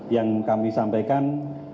yang kami sampaikan